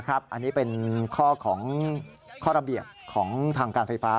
อันนี้เป็นข้อของข้อระเบียบของทางการไฟฟ้า